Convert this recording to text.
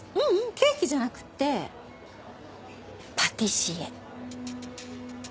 ケーキじゃなくてパティシエ。